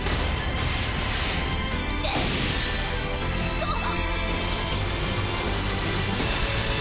あっ！